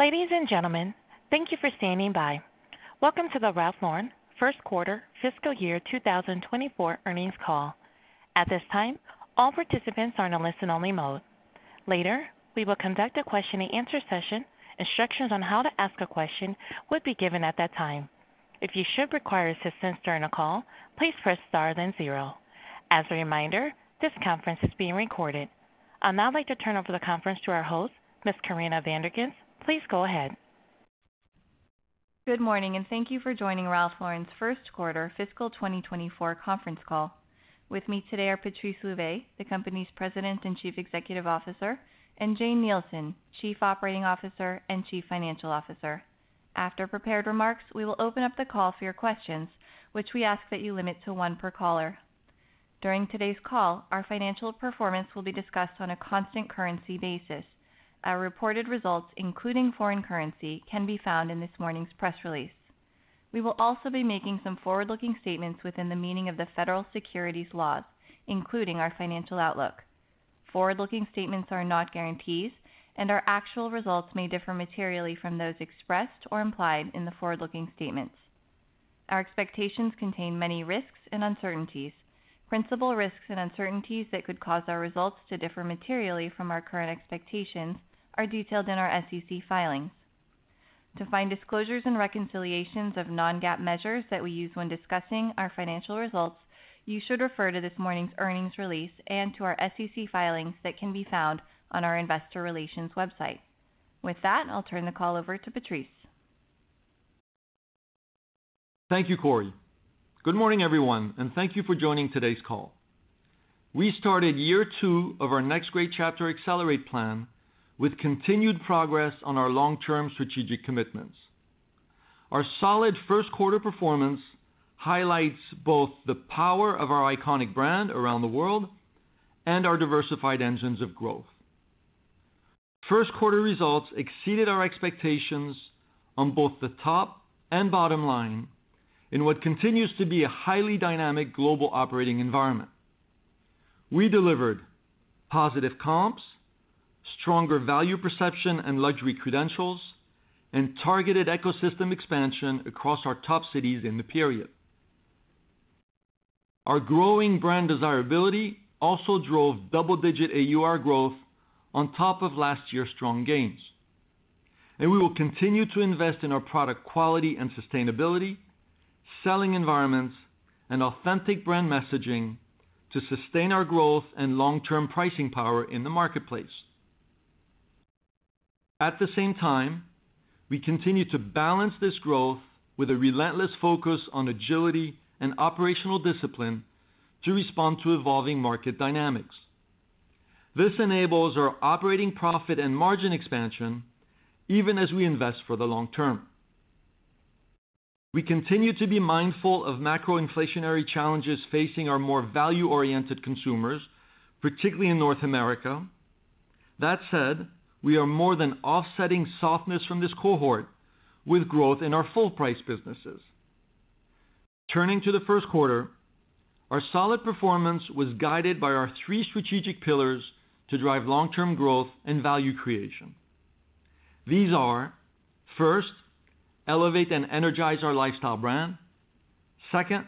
Ladies and gentlemen, thank you for standing by. Welcome to the Ralph Lauren Q1 Fiscal Year 2024 Earnings Call. At this time, all participants are in a listen-only mode. Later, we will conduct a question-and-answer session. Instructions on how to ask a question would be given at that time. If you should require assistance during the call, please press Star then zero. As a reminder, this conference is being recorded. I'd now like to turn over the conference to our host, Ms. Corinna Van der Ghinst. Please go ahead. Good morning, thank you for joining Ralph Lauren's Q1 Fiscal 2024 Conference Call. With me today are Patrice Louvet, the company's President and Chief Executive Officer, and Jane Nielsen, Chief Operating Officer and Chief Financial Officer. After prepared remarks, we will open up the call for your questions, which we ask that you limit to one per caller. During today's call, our financial performance will be discussed on a constant currency basis. Our reported results, including foreign currency, can be found in this morning's press release. We will also be making some forward-looking statements within the meaning of the federal securities laws, including our financial outlook. Forward-looking statements are not guarantees, and our actual results may differ materially from those expressed or implied in the forward-looking statements. Our expectations contain many risks and uncertainties. Principal risks and uncertainties that could cause our results to differ materially from our current expectations are detailed in our SEC filings. To find disclosures and reconciliations of non-GAAP measures that we use when discussing our financial results, you should refer to this morning's earnings release and to our SEC filings that can be found on our investor relations website. With that, I'll turn the call over to Patrice. Thank you, Corey. Good morning, everyone, and thank you for joining today's call. We started year two of our Next Great Chapter: Accelerate plan with continued progress on our long-term strategic commitments. Our solid Q1 performance highlights both the power of our iconic brand around the world and our diversified engines of growth. Q1 results exceeded our expectations on both the top and bottom line in what continues to be a highly dynamic global operating environment. We delivered positive comps, stronger value perception and luxury credentials, and targeted ecosystem expansion across our top cities in the period. Our growing brand desirability also drove double-digit AUR growth on top of last year's strong gains. We will continue to invest in our product quality and sustainability, selling environments, and authentic brand messaging to sustain our growth and long-term pricing power in the marketplace. At the same time, we continue to balance this growth with a relentless focus on agility and operational discipline to respond to evolving market dynamics. This enables our operating profit and margin expansion even as we invest for the long term. We continue to be mindful of macro inflationary challenges facing our more value-oriented consumers, particularly in North America. That said, we are more than offsetting softness from this cohort with growth in our full price businesses. Turning to the Q1, our solid performance was guided by our three strategic pillars to drive long-term growth and value creation. These are, first, elevate and energize our lifestyle brand, second,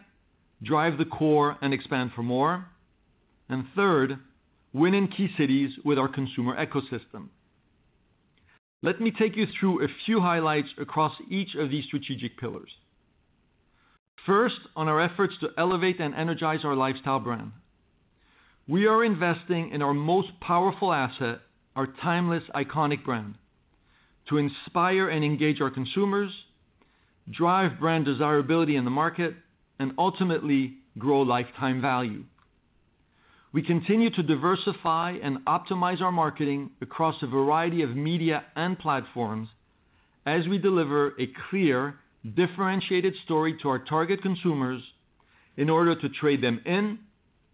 drive the core and expand for more, and third, win in key cities with our consumer ecosystem. Let me take you through a few highlights across each of these strategic pillars. First, on our efforts to elevate and energize our lifestyle brand. We are investing in our most powerful asset, our timeless, iconic brand, to inspire and engage our consumers, drive brand desirability in the market, and ultimately grow lifetime value. We continue to diversify and optimize our marketing across a variety of media and platforms as we deliver a clear, differentiated story to our target consumers in order to trade them in,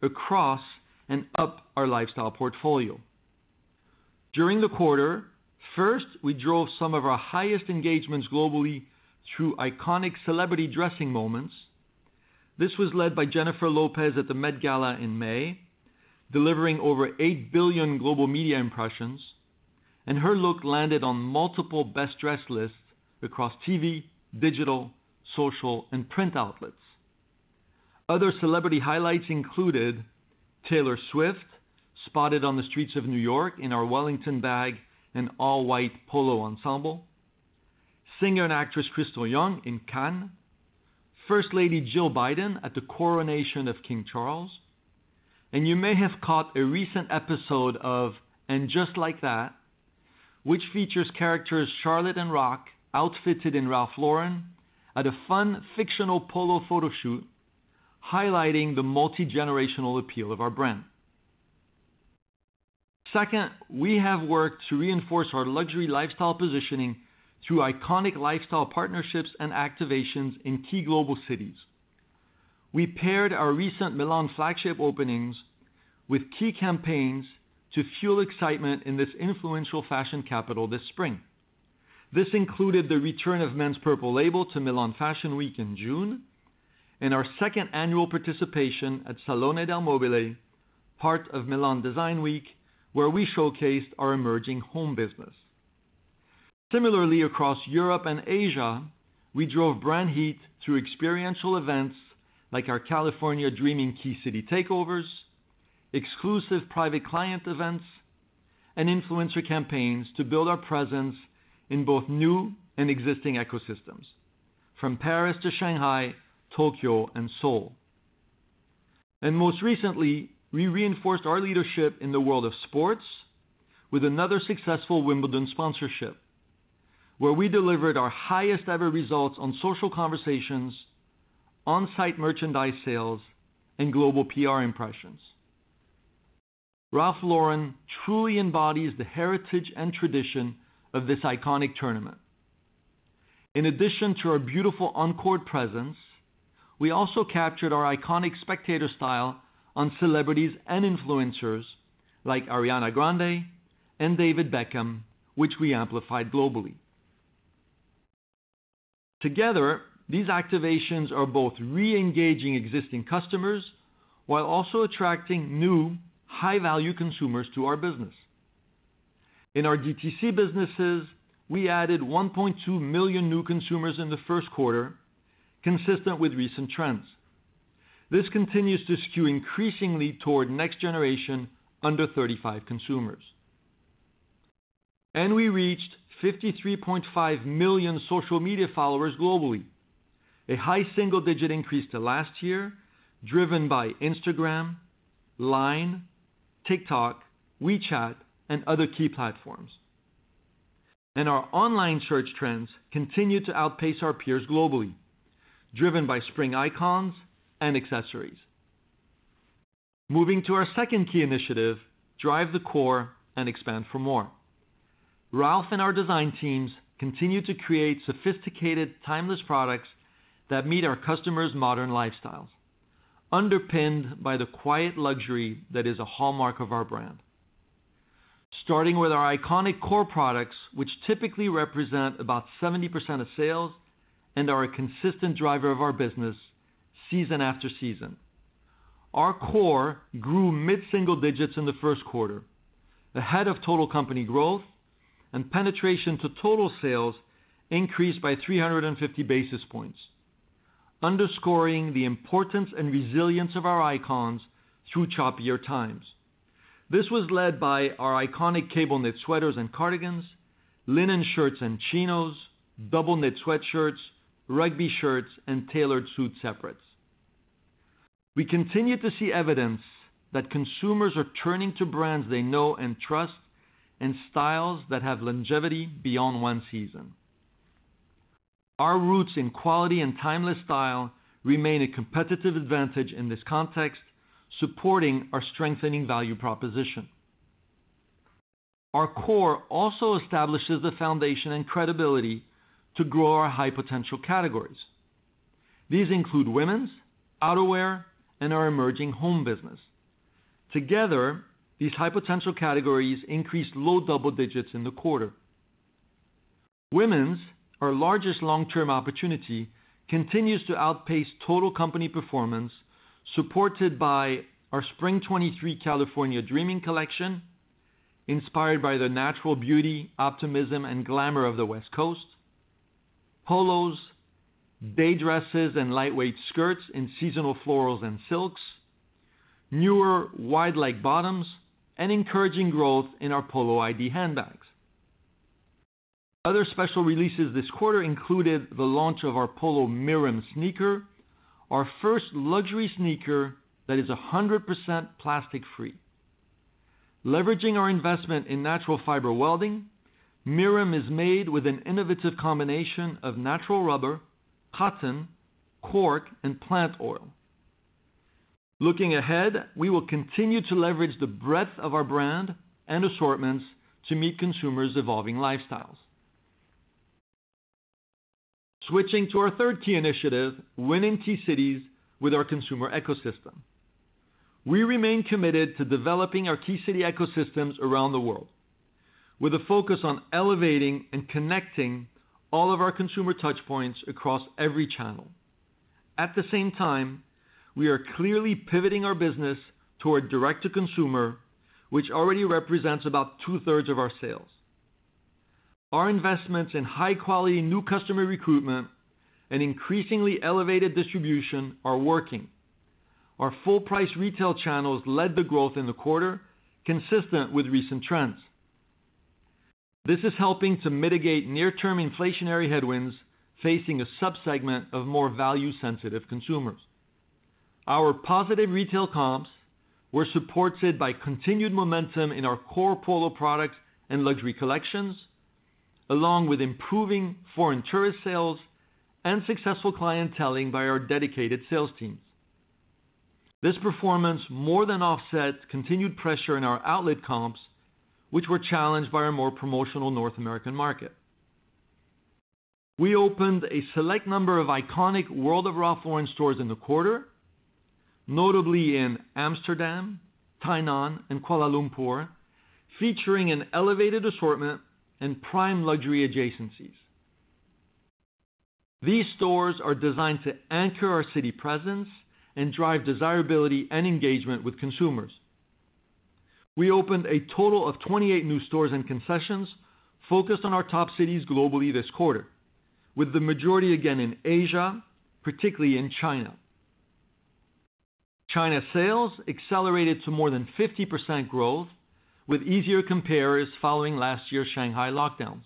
across, and up our lifestyle portfolio. During the quarter, first, we drove some of our highest engagements globally through iconic celebrity dressing moments. This was led by Jennifer Lopez at the Met Gala in May, delivering over 8 billion global media impressions, and her look landed on multiple best-dressed lists across TV, digital, social, and print outlets. Other celebrity highlights included Taylor Swift, spotted on the streets of New York in our Wellington bag and all-white polo ensemble, singer and actress Krystal Jung in Cannes, First Lady Jill Biden at the coronation of King Charles. You may have caught a recent episode of And Just Like That, which features characters Charlotte and Roc, outfitted in Ralph Lauren, at a fun, fictional polo photo shoot, highlighting the multigenerational appeal of our brand. Second, we have worked to reinforce our luxury lifestyle positioning through iconic lifestyle partnerships and activations in key global cities. We paired our recent Milan flagship openings with key campaigns to fuel excitement in this influential fashion capital this spring. This included the return of Men's Purple Label to Milan Fashion Week in June. Our second annual participation at Salone del Mobile, part of Milan Design Week, where we showcased our emerging home business. Similarly, across Europe and Asia, we drove brand heat through experiential events, like our California Dreaming key city takeovers, exclusive private client events, and influencer campaigns to build our presence in both new and existing ecosystems, from Paris to Shanghai, Tokyo, and Seoul. Most recently, we reinforced our leadership in the world of sports with another successful Wimbledon sponsorship, where we delivered our highest ever results on social conversations, on-site merchandise sales, and global PR impressions. Ralph Lauren truly embodies the heritage and tradition of this iconic tournament. In addition to our beautiful on-court presence, we also captured our iconic spectator style on celebrities and influencers, like Ariana Grande and David Beckham, which we amplified globally. Together, these activations are both re-engaging existing customers, while also attracting new, high-value consumers to our business. In our DTC businesses, we added 1.2 million new consumers in the Q1, consistent with recent trends. This continues to skew increasingly toward next generation, under 35 consumers. We reached 53.5 million social media followers globally, a high single-digit increase to last year, driven by Instagram, Line, TikTok, WeChat, and other key platforms. Our online search trends continue to outpace our peers globally, driven by spring icons and accessories. Moving to our second key initiative, drive the core and expand for more. Ralph and our design teams continue to create sophisticated, timeless products that meet our customers' modern lifestyles, underpinned by the quiet luxury that is a hallmark of our brand. Starting with our iconic core products, which typically represent about 70% of sales and are a consistent driver of our business season after season. Our core grew mid-single digits in the Q1, ahead of total company growth, and penetration to total sales increased by 350 basis points, underscoring the importance and resilience of our icons through choppier times. This was led by our iconic cable knit sweaters and cardigans, linen shirts and chinos, double knit sweatshirts, rugby shirts, and tailored suit separates. We continue to see evidence that consumers are turning to brands they know and trust, and styles that have longevity beyond one season. Our roots in quality and timeless style remain a competitive advantage in this context, supporting our strengthening value proposition. Our core also establishes the foundation and credibility to grow our high-potential categories. These include women's, outerwear, and our emerging home business. Together, these high-potential categories increased low double digits in the quarter. Women's, our largest long-term opportunity, continues to outpace total company performance, supported by our Spring 23 California Dreaming collection, inspired by the natural beauty, optimism, and glamour of the West Coast, polos, day dresses, and lightweight skirts in seasonal florals and silks, newer wide-leg bottoms, and encouraging growth in our Polo ID handbags. Other special releases this quarter included the launch of our Polo MIRUM sneaker, our first luxury sneaker that is 100% plastic-free. Leveraging our investment in Natural Fiber Welding, MIRUM is made with an innovative combination of natural rubber, cotton, cork, and plant oil. Looking ahead, we will continue to leverage the breadth of our brand and assortments to meet consumers' evolving lifestyles. Switching to our third key initiative, winning key cities with our consumer ecosystem. We remain committed to developing our key city ecosystems around the world, with a focus on elevating and connecting all of our consumer touch points across every channel. At the same time, we are clearly pivoting our business toward direct-to-consumer, which already represents about two-thirds of our sales. Our investments in high-quality new customer recruitment and increasingly elevated distribution are working. Our full-price retail channels led the growth in the quarter, consistent with recent trends. This is helping to mitigate near-term inflationary headwinds, facing a sub-segment of more value-sensitive consumers. Our positive retail comps were supported by continued momentum in our core Polo products and luxury collections, along with improving foreign tourist sales and successful clienteling by our dedicated sales teams. This performance more than offset continued pressure in our outlet comps, which were challenged by our more promotional North American market. We opened a select number of iconic World of Ralph Lauren stores in the quarter. notably in Amsterdam, Tainan, and Kuala Lumpur, featuring an elevated assortment and prime luxury adjacencies. These stores are designed to anchor our city presence and drive desirability and engagement with consumers. We opened a total of 28 new stores and concessions focused on our top cities globally this quarter, with the majority again in Asia, particularly in China. China sales accelerated to more than 50% growth, with easier compares following last year's Shanghai lockdowns.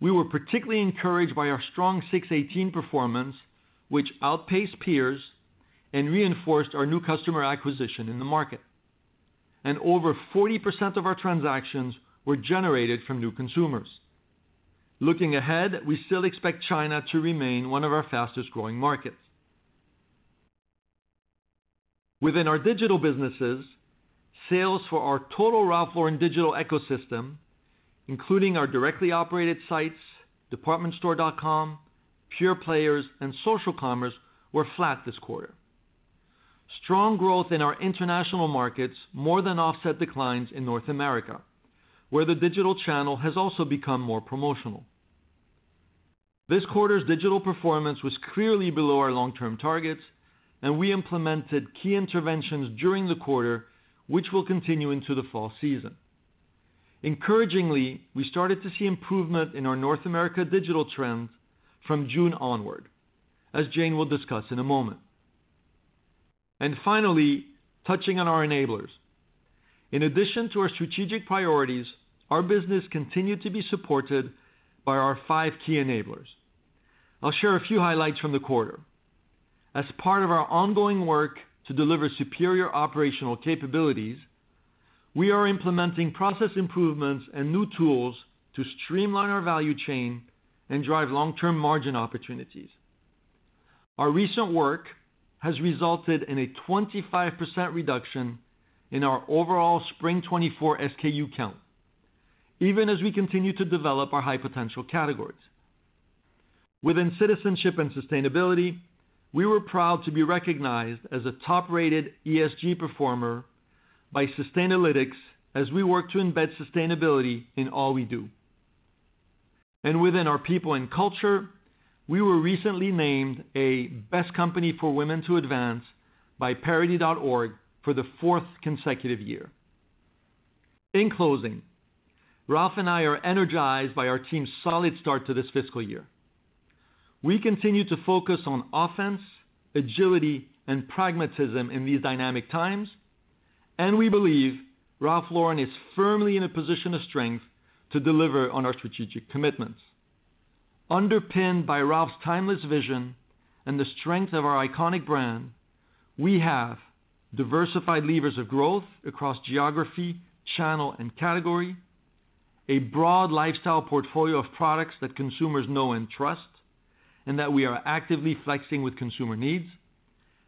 We were particularly encouraged by our strong 618 performance, which outpaced peers and reinforced our new customer acquisition in the market. Over 40% of our transactions were generated from new consumers. Looking ahead, we still expect China to remain one of our fastest-growing markets. Within our digital businesses, sales for our total Ralph Lauren digital ecosystem, including our directly operated sites, departmentstore.com, pure players, and social commerce, were flat this quarter. Strong growth in our international markets more than offset declines in North America, where the digital channel has also become more promotional. This quarter's digital performance was clearly below our long-term targets, I implemented key interventions during the quarter, which will continue into the fall season. Encouragingly, we started to see improvement in our North America digital trends from June onward, as Jane will discuss in a moment. Finally, touching on our enablers. In addition to our strategic priorities, our business continued to be supported by our five key enablers. I'll share a few highlights from the quarter. As part of our ongoing work to deliver superior operational capabilities, we are implementing process improvements and new tools to streamline our value chain and drive long-term margin opportunities. Our recent work has resulted in a 25% reduction in our overall spring 2024 SKU count, even as we continue to develop our high-potential categories. Within citizenship and sustainability, we were proud to be recognized as a top-rated ESG performer by Sustainalytics as we work to embed sustainability in all we do. Within our people and culture, we were recently named a Best Company for Women to Advance by Parity.org for the fourth consecutive year. In closing, Ralph and I are energized by our team's solid start to this fiscal year. We continue to focus on offense, agility, and pragmatism in these dynamic times, and we believe Ralph Lauren is firmly in a position of strength to deliver on our strategic commitments. Underpinned by Ralph's timeless vision and the strength of our iconic brand, we have diversified levers of growth across geography, channel, and category, a broad lifestyle portfolio of products that consumers know and trust, and that we are actively flexing with consumer needs,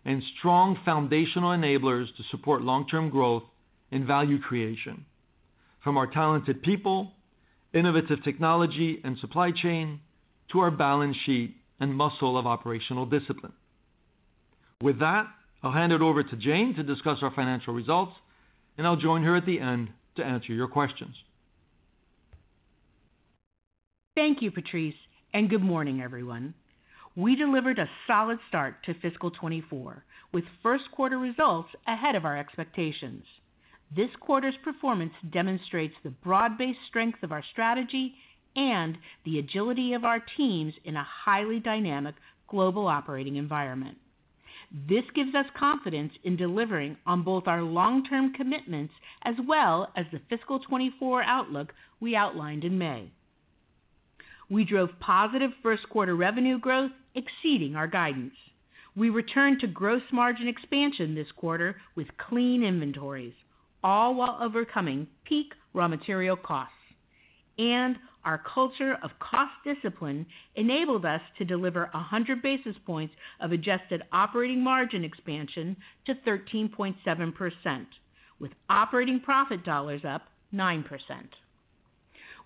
and strong foundational enablers to support long-term growth and value creation from our talented people, innovative technology, and supply chain to our balance sheet and muscle of operational discipline. With that, I'll hand it over to Jane to discuss our financial results, and I'll join her at the end to answer your questions. Thank you, Patrice, good morning, everyone. We delivered a solid start to fiscal 2024, with Q1 results ahead of our expectations. This quarter's performance demonstrates the broad-based strength of our strategy and the agility of our teams in a highly dynamic global operating environment. This gives us confidence in delivering on both our long-term commitments as well as the fiscal 2024 outlook we outlined in May. We drove positive Q1 revenue growth, exceeding our guidance. We returned to gross margin expansion this quarter with clean inventories, all while overcoming peak raw material costs. Our culture of cost discipline enabled us to deliver 100 basis points of adjusted operating margin expansion to 13.7%, with operating profit dollars up 9%.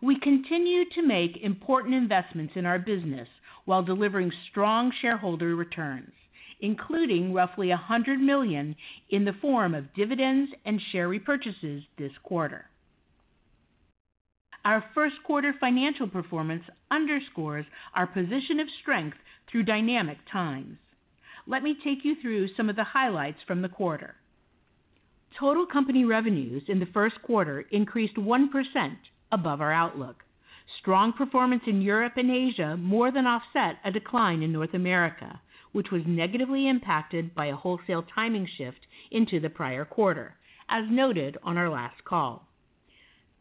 We continue to make important investments in our business while delivering strong shareholder returns, including roughly $100 million in the form of dividends and share repurchases this quarter. Our Q1 financial performance underscores our position of strength through dynamic times. Let me take you through some of the highlights from the quarter. Total company revenues in the Q1 increased 1% above our outlook. Strong performance in Europe and Asia more than offset a decline in North America, which was negatively impacted by a wholesale timing shift into the prior quarter, as noted on our last call.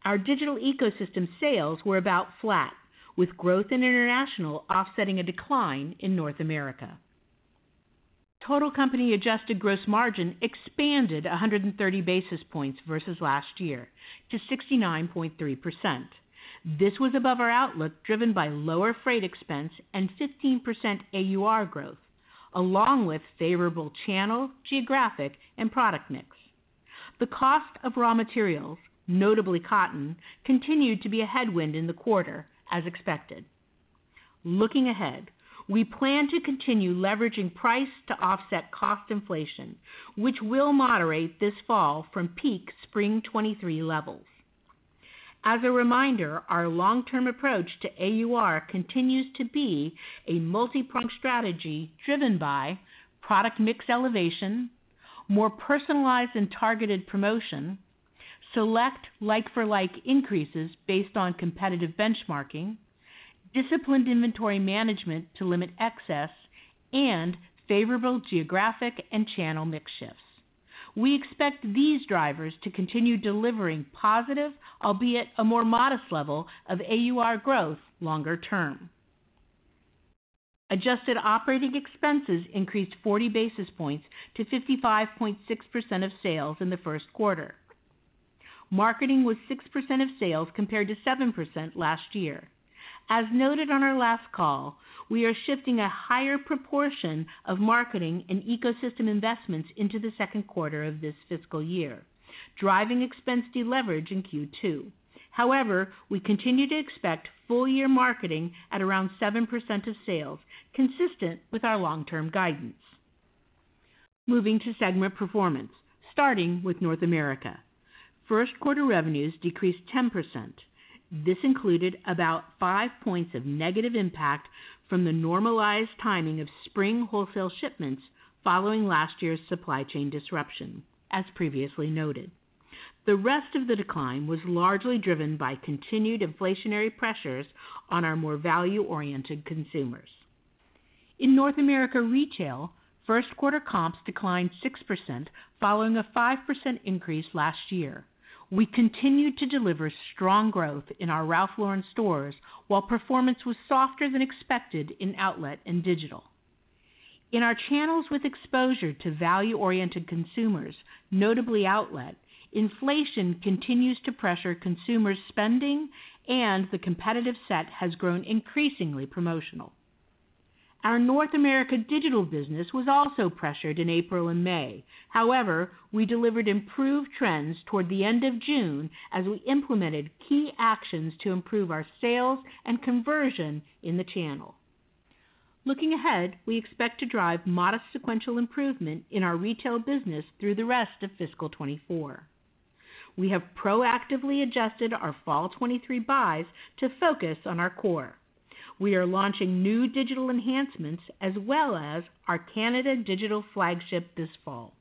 Our digital ecosystem sales were about flat, with growth in international offsetting a decline in North America. Total company adjusted gross margin expanded 130 basis points versus last year to 69.3%. This was above our outlook, driven by lower freight expense and 15% AUR growth, along with favorable channel, geographic, and product mix. The cost of raw materials, notably cotton, continued to be a headwind in the quarter, as expected.... Looking ahead, we plan to continue leveraging price to offset cost inflation, which will moderate this fall from peak Spring 2023 levels. As a reminder, our long-term approach to AUR continues to be a multipronged strategy driven by product mix elevation, more personalized and targeted promotion, select like-for-like increases based on competitive benchmarking, disciplined inventory management to limit excess, and favorable geographic and channel mix shifts. We expect these drivers to continue delivering positive, albeit a more modest level, of AUR growth longer term. Adjusted operating expenses increased 40 basis points to 55.6% of sales in the Q1. Marketing was 6% of sales, compared to 7% last year. As noted on our last call, we are shifting a higher proportion of marketing and ecosystem investments into the Q2 of this fiscal year, driving expense deleverage in Q2. We continue to expect full year marketing at around 7% of sales, consistent with our long-term guidance. Moving to segment performance, starting with North America. Q1 revenues decreased 10%. This included about five points of negative impact from the normalized timing of spring wholesale shipments following last year's supply chain disruption, as previously noted. The rest of the decline was largely driven by continued inflationary pressures on our more value-oriented consumers. In North America retail, Q1 comps declined 6%, following a 5% increase last year. We continued to deliver strong growth in our Ralph Lauren stores, while performance was softer than expected in outlet and digital. In our channels with exposure to value-oriented consumers, notably outlet, inflation continues to pressure consumer spending, and the competitive set has grown increasingly promotional. Our North America digital business was also pressured in April and May. However, we delivered improved trends toward the end of June as we implemented key actions to improve our sales and conversion in the channel. Looking ahead, we expect to drive modest sequential improvement in our retail business through the rest of fiscal 2024. We have proactively adjusted our fall 2023 buys to focus on our core. We are launching new digital enhancements, as well as our Canada digital flagship this fall,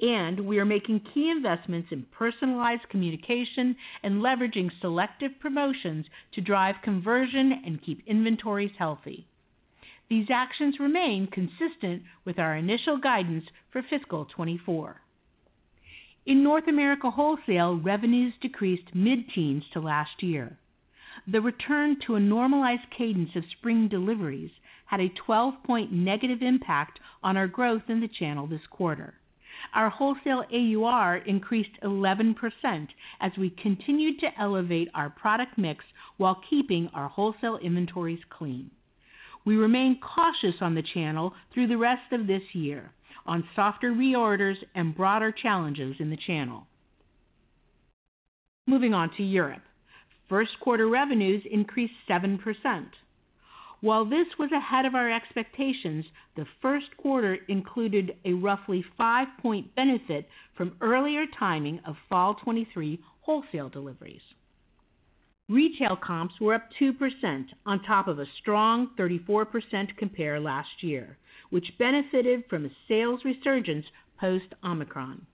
and we are making key investments in personalized communication and leveraging selective promotions to drive conversion and keep inventories healthy. These actions remain consistent with our initial guidance for fiscal 2024. In North America, wholesale revenues decreased mid-teens to last year. The return to a normalized cadence of spring deliveries had a 12-point negative impact on our growth in the channel this quarter. Our wholesale AUR increased 11% as we continued to elevate our product mix while keeping our wholesale inventories clean. We remain cautious on the channel through the rest of this year on softer reorders and broader challenges in the channel. Moving on to Europe. Q1 revenues increased 7%. While this was ahead of our expectations, the Q1 included a roughly 5-point benefit from earlier timing of fall 2023 wholesale deliveries. Retail comps were up 2% on top of a strong 34% compare last year, which benefited from a sales resurgence post-Omicron.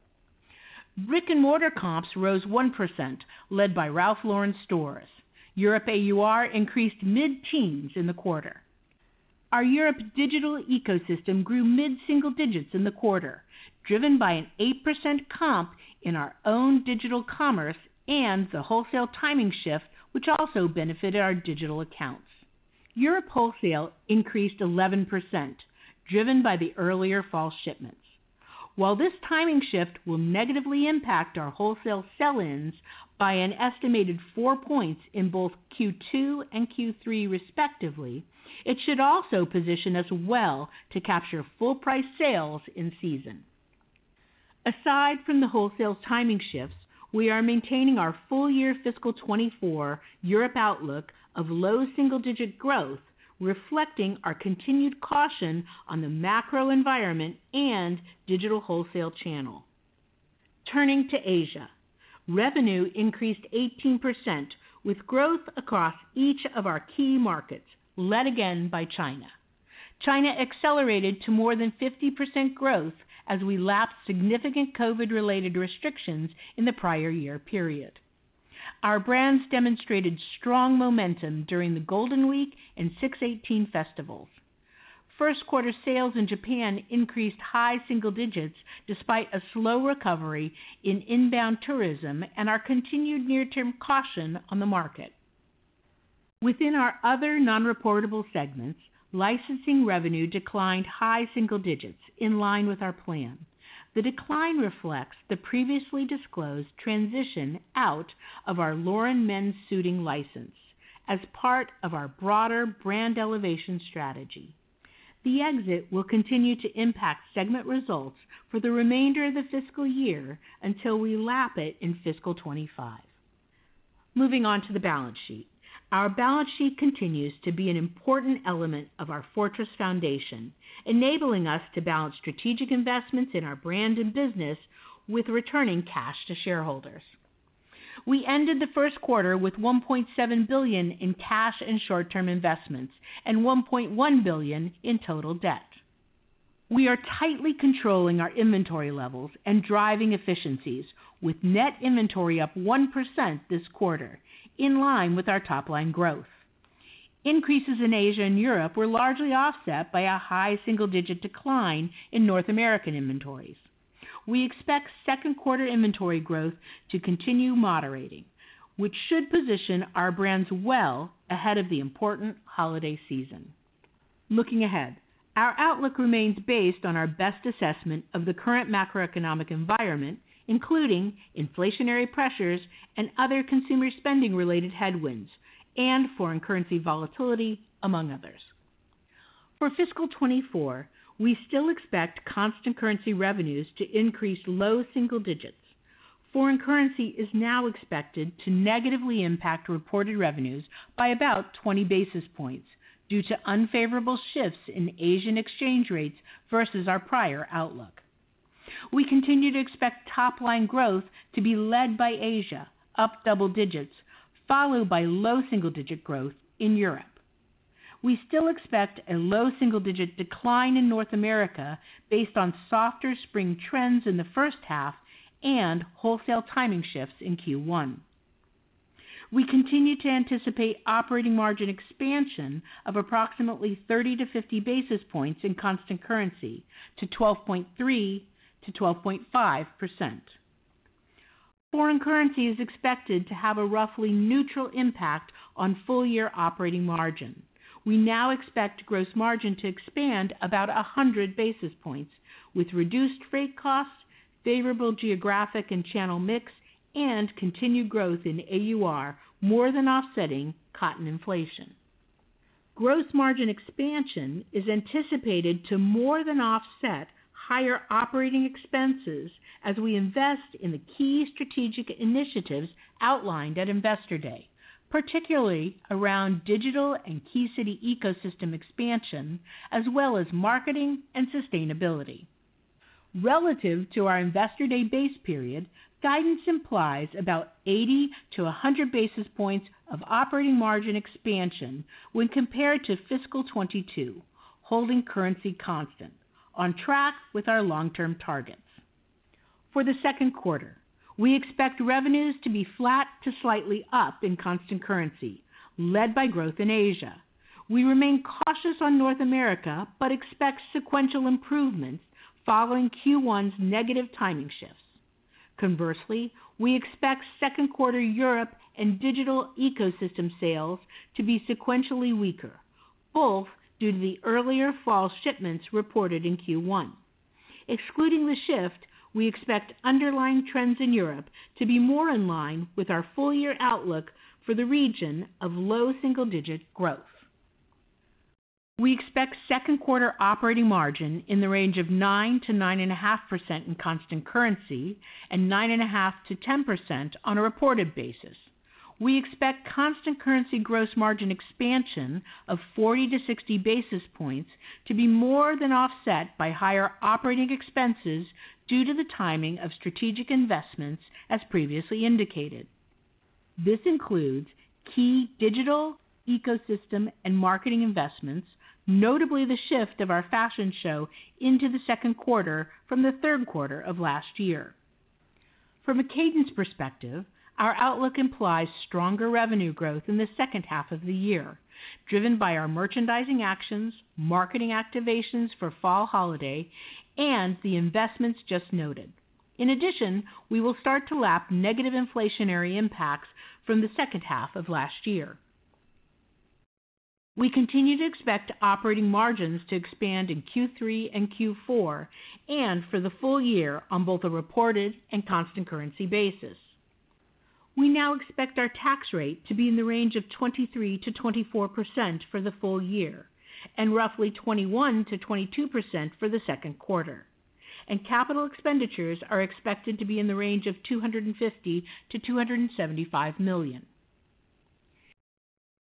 Brick-and-mortar comps rose 1%, led by Ralph Lauren stores. Europe AUR increased mid-teens in the quarter. Our Europe digital ecosystem grew mid-single digits in the quarter, driven by an 8% comp in our own digital commerce and the wholesale timing shift, which also benefited our digital accounts. Europe wholesale increased 11%, driven by the earlier fall shipments. This timing shift will negatively impact our wholesale sell-ins by an estimated 4 points in both Q2 and Q3 respectively, it should also position us well to capture full price sales in season. Aside from the wholesale timing shifts, we are maintaining our full-year fiscal 24 Europe outlook of low double single-digit growth, reflecting our continued caution on the macro environment and digital wholesale channel. Turning to Asia, revenue increased 18%, with growth across each of our key markets, led again by China. China accelerated to more than 50% growth as we lapsed significant COVID-related restrictions in the prior year period. Our brands demonstrated strong momentum during the Golden Week and 618 festivals. Q1 sales in Japan increased high single digits, despite a slow recovery in inbound tourism and our continued near-term caution on the market. Within our other non-reportable segments, licensing revenue declined high single digits, in line with our plan. The decline reflects the previously disclosed transition out of our Lauren Men's Suiting license as part of our broader brand elevation strategy. The exit will continue to impact segment results for the remainder of the fiscal year until we lap it in fiscal 2025. Moving on to the balance sheet. Our balance sheet continues to be an important element of our fortress foundation, enabling us to balance strategic investments in our brand and business with returning cash to shareholders. We ended the Q1 with $1.7 billion in cash and short-term investments and $1.1 billion in total debt. We are tightly controlling our inventory levels and driving efficiencies with net inventory up 1% this quarter, in line with our top-line growth. Increases in Asia and Europe were largely offset by a high single-digit decline in North American inventories. We expect Q2 inventory growth to continue moderating, which should position our brands well ahead of the important holiday season. Looking ahead, our outlook remains based on our best assessment of the current macroeconomic environment, including inflationary pressures and other consumer spending-related headwinds and foreign currency volatility, among others. For fiscal 2024, we still expect constant currency revenues to increase low single digits. Foreign currency is now expected to negatively impact reported revenues by about 20 basis points due to unfavorable shifts in Asian exchange rates versus our prior outlook. We continue to expect top-line growth to be led by Asia, up double digits, followed by low double-digit growth in Europe. We still expect a low single-digit decline in North America based on softer spring trends in the first half and wholesale timing shifts in Q1. We continue to anticipate operating margin expansion of approximately 30-50 basis points in constant currency to 12.3%-12.5%. Foreign currency is expected to have a roughly neutral impact on full-year operating margin. We now expect gross margin to expand about 100 basis points, with reduced freight costs, favorable geographic and channel mix, and continued growth in AUR, more than offsetting cotton inflation. Gross margin expansion is anticipated to more than offset higher operating expenses as we invest in the key strategic initiatives outlined at Investor Day, particularly around digital and key city ecosystem expansion, as well as marketing and sustainability. Relative to our Investor Day base period, guidance implies about 80-100 basis points of operating margin expansion when compared to fiscal 22, holding currency constant, on track with our long-term targets. For the Q2, we expect revenues to be flat to slightly up in constant currency, led by growth in Asia. We remain cautious on North America, but expect sequential improvement following Q1's negative timing shifts. Conversely, we expect Q2 Europe and digital ecosystem sales to be sequentially weaker, both due to the earlier fall shipments reported in Q1. Excluding the shift, we expect underlying trends in Europe to be more in line with our full-year outlook for the region of low single-digit growth. We expect Q2 operating margin in the range of 9%-9.5% in constant currency and 9.5%-10% on a reported basis. We expect constant currency gross margin expansion of 40-60 basis points to be more than offset by higher operating expenses due to the timing of strategic investments, as previously indicated. This includes key digital, ecosystem, and marketing investments, notably the shift of our fashion show into the Q2 from the Q3 of last year. From a cadence perspective, our outlook implies stronger revenue growth in the second half of the year, driven by our merchandising actions, marketing activations for fall holiday, and the investments just noted. In addition, we will start to lap negative inflationary impacts from the second half of last year. We continue to expect operating margins to expand in Q3 and Q4, and for the full year on both a reported and constant currency basis. We now expect our tax rate to be in the range of 23%-24% for the full year and roughly 21%-22% for the Q2. Capital expenditures are expected to be in the range of $250 million-$275 million.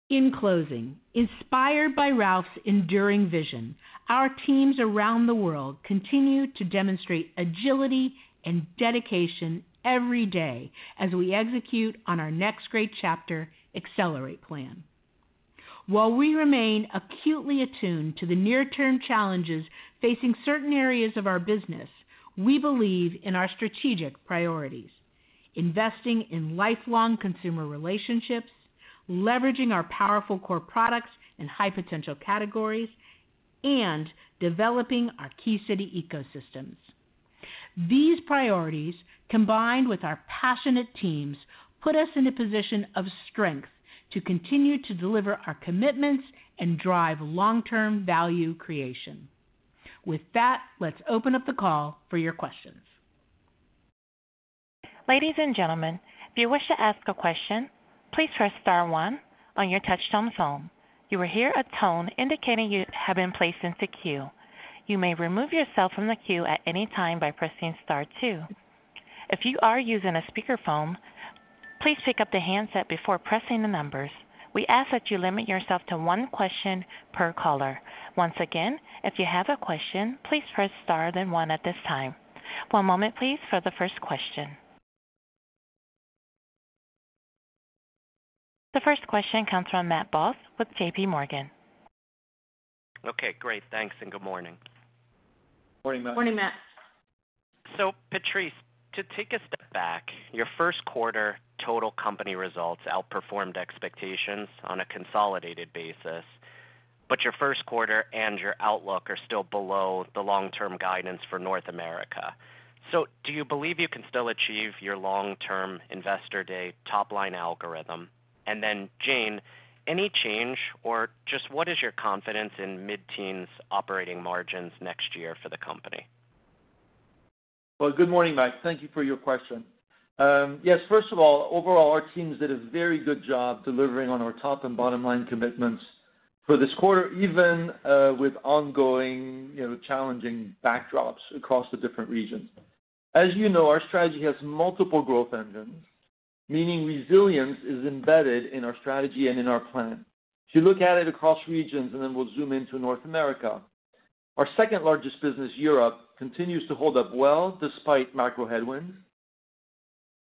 In closing, inspired by Ralph's enduring vision, our teams around the world continue to demonstrate agility and dedication every day as we execute on our Next Great Chapter: Accelerate plan. While we remain acutely attuned to the near-term challenges facing certain areas of our business, we believe in our strategic priorities: investing in lifelong consumer relationships, leveraging our powerful core products and high-potential categories, and developing our key city ecosystems. These priorities, combined with our passionate teams, put us in a position of strength to continue to deliver our commitments and drive long-term value creation. With that, let's open up the call for your questions.... Ladies and gentlemen, if you wish to ask a question, please press star one on your touchtone phone. You will hear a tone indicating you have been placed into queue. You may remove yourself from the queue at any time by pressing star two. If you are using a speakerphone, please pick up the handset before pressing the numbers. We ask that you limit yourself to one question per caller. Once again, if you have a question, please press star, then one at this time. One moment, please, for the first question. The first question comes from Matthew Boss with JPMorgan. Okay, great. Thanks, good morning. Morning, Matt. Morning, Matt. Patrice, to take a step back, your Q1 total company results outperformed expectations on a consolidated basis, but your Q1 and your outlook are still below the long-term guidance for North America. Do you believe you can still achieve your long-term Investor Day top line algorithm? Jane, any change or just what is your confidence in mid-teens operating margins next year for the company? Well, good morning, Matt. Thank you for your question. Yes, first of all, overall, our teams did a very good job delivering on our top and bottom-line commitments for this quarter, even with ongoing, you know, challenging backdrops across the different regions. As you know, our strategy has multiple growth engines, meaning resilience is embedded in our strategy and in our plan. If you look at it across regions, and then we'll zoom into North America. Our second-largest business, Europe, continues to hold up well despite macro headwinds.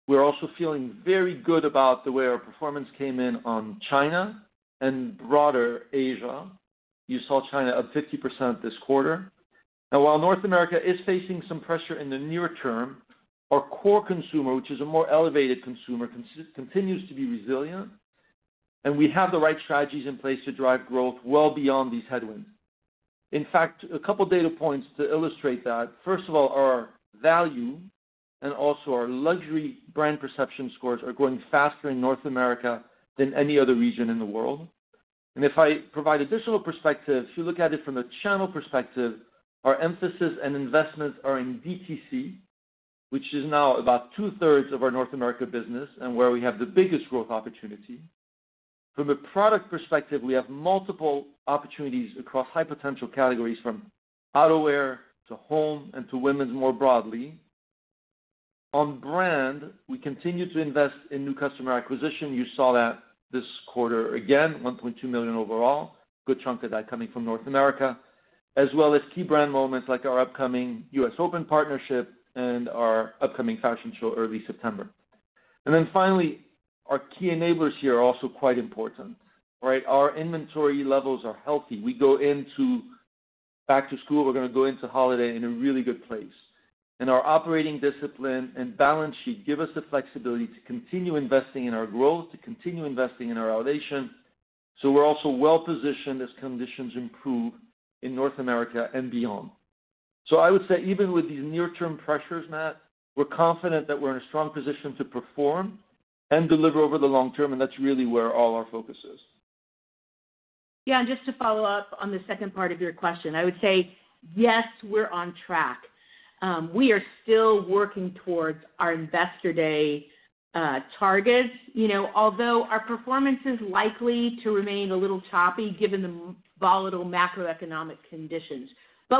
We're also feeling very good about the way our performance came in on China and broader Asia. You saw China up 50% this quarter. While North America is facing some pressure in the near term, our core consumer, which is a more elevated consumer, continues to be resilient, and we have the right strategies in place to drive growth well beyond these headwinds. In fact, a couple of data points to illustrate that. First of all, our value and also our luxury brand perception scores are growing faster in North America than any other region in the world. If I provide additional perspective, if you look at it from a channel perspective, our emphasis and investments are in DTC, which is now about two-thirds of our North America business and where we have the biggest growth opportunity. From a product perspective, we have multiple opportunities across high-potential categories, from outerwear to home and to women's more broadly. On brand, we continue to invest in new customer acquisition. You saw that this quarter, again, $1.2 million overall, good chunk of that coming from North America, as well as key brand moments like our upcoming US Open partnership and our upcoming fashion show, early September. Finally, our key enablers here are also quite important, right? Our inventory levels are healthy. We go into back to school, we're going to go into holiday in a really good place. Our operating discipline and balance sheet give us the flexibility to continue investing in our growth, to continue investing in our elevation. We're also well-positioned as conditions improve in North America and beyond. I would say even with these near-term pressures, Matt, we're confident that we're in a strong position to perform and deliver over the long term, and that's really where all our focus is. Yeah, just to follow up on the second part of your question, I would say, yes, we're on track. We are still working towards our Investor Day targets, you know, although our performance is likely to remain a little choppy, given the volatile macroeconomic conditions.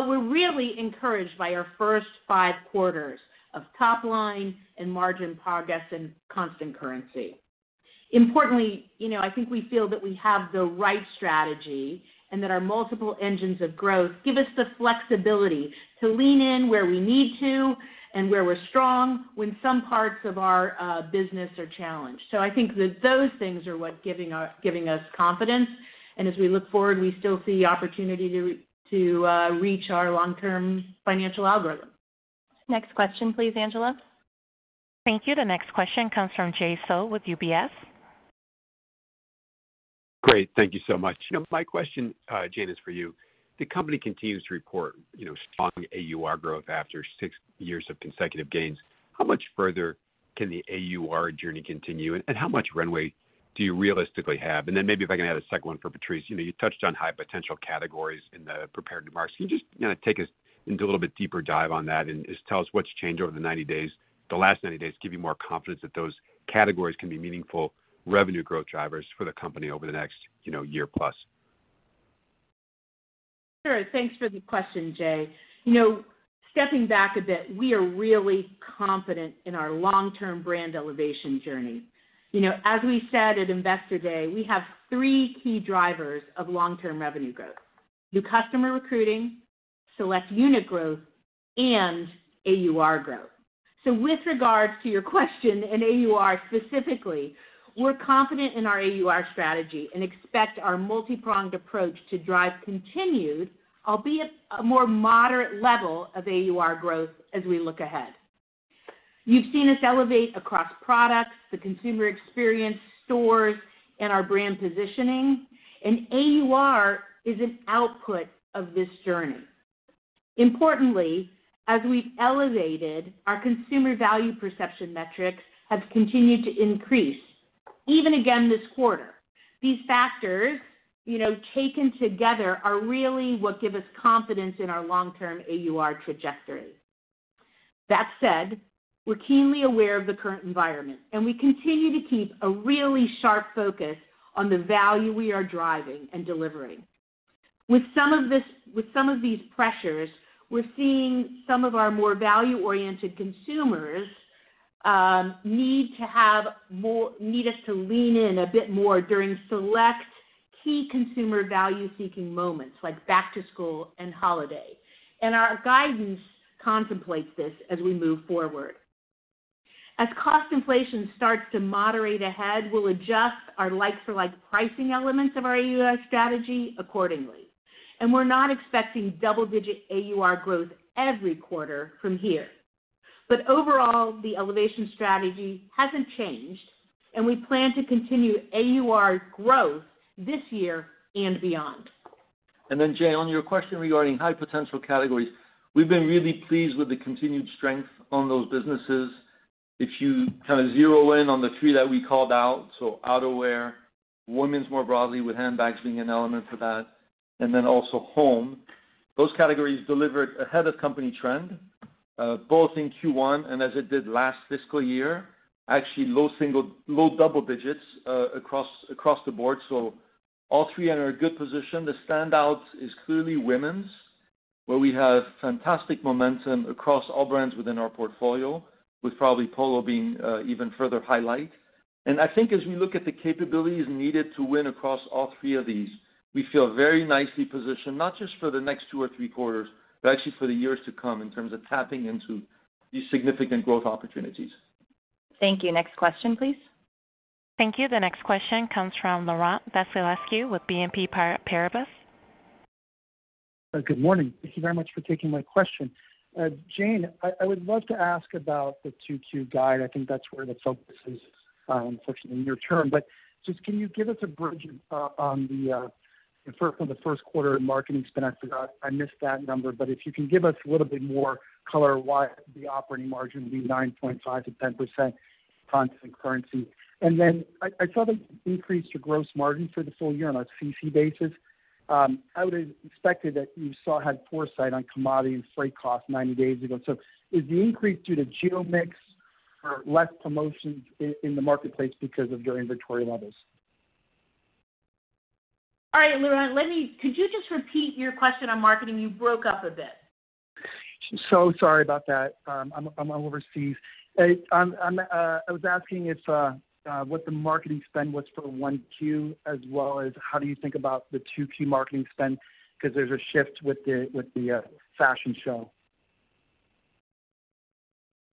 We're really encouraged by our first 5 quarters of top line and margin progress in constant currency. Importantly, you know, I think we feel that we have the right strategy and that our multiple engines of growth give us the flexibility to lean in where we need to and where we're strong when some parts of our business are challenged. I think that those things are what giving us confidence, and as we look forward, we still see opportunity to, to, reach our long-term financial algorithm. Next question, please, Angela. Thank you. The next question comes from Jay Sole with UBS. Great. Thank you so much. My question, Jane, is for you. The company continues to report, you know, strong AUR growth after 6 years of consecutive gains. How much further can the AUR journey continue, and how much runway do you realistically have? Then maybe if I can have a second one for Patrice. You know, you touched on high potential categories in the prepared remarks. Can you just, you know, take us into a little bit deeper dive on that and just tell us what's changed over the last 90 days to give you more confidence that those categories can be meaningful revenue growth drivers for the company over the next, you know, year plus? Sure. Thanks for the question, Jay. You know, stepping back a bit, we are really confident in our long-term brand elevation journey. You know, as we said at Investor Day, we have three key drivers of long-term revenue growth: new customer recruiting, select unit growth, and AUR growth. With regards to your question in AUR specifically, we're confident in our AUR strategy and expect our multipronged approach to drive continued, albeit a more moderate level, of AUR growth as we look ahead. You've seen us elevate across products, the consumer experience, stores, and our brand positioning, and AUR is an output of this journey. Importantly, as we elevated our consumer value perception metrics have continued to increase, even again this quarter. These factors, you know, taken together, are really what give us confidence in our long-term AUR trajectory. That said, we're keenly aware of the current environment. We continue to keep a really sharp focus on the value we are driving and delivering. With some of these pressures, we're seeing some of our more value-oriented consumers, need us to lean in a bit more during select key consumer value-seeking moments, like back to school and holiday. Our guidance contemplates this as we move forward. As cost inflation starts to moderate ahead, we'll adjust our likes for like pricing elements of our AUR strategy accordingly. We're not expecting double-digit AUR growth every quarter from here. Overall, the elevation strategy hasn't changed, and we plan to continue AUR growth this year and beyond. Then, Jane, on your question regarding high potential categories, we've been really pleased with the continued strength on those businesses. If you kinda zero in on the 3 that we called out, so outerwear, women's more broadly, with handbags being an element for that, and then also home. Those categories delivered ahead of company trend, both in Q1 and as it did last fiscal year, actually, low double digits, across, across the board. So all 3 are in a good position. The standout is clearly women's, where we have fantastic momentum across all brands within our portfolio, with probably Polo being, even further highlight. I think as we look at the capabilities needed to win across all three of these, we feel very nicely positioned, not just for the next 2 or 3 quarters, but actually for the years to come in terms of tapping into these significant growth opportunities. Thank you. Next question, please. Thank you. The next question comes from Laurent Vassilatos with BNP Paribas. Good morning. Thank you very much for taking my question. Jane, I would love to ask about the Q2 guide. I think that's where the focus is, unfortunately near term, but just can you give us a bridge on the for the Q1 marketing spend? I forgot. I missed that number, but if you can give us a little bit more color why the operating margin would be 9.5%-10% constant currency. I saw the increase to gross margin for the full year on a CC basis. I would have expected that you had foresight on commodity and freight costs 90 days ago. Is the increase due to geo mix or less promotions in the marketplace because of your inventory levels? All right, Laurent, could you just repeat your question on marketing? You broke up a bit. Sorry about that. I'm, I'm overseas. I'm, I was asking if what the marketing spend was for Q1, as well as how do you think about the Q2 marketing spend? Because there's a shift with the, with the fashion show.